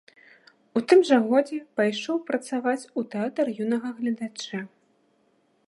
У тым жа годзе пайшоў працаваць у тэатр юнага гледача.